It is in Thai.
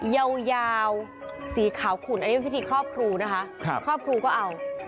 ยาวสีขาวขุ่นอันนี้เป็นพิธีครอบครูนะคะครอบครูก็เอา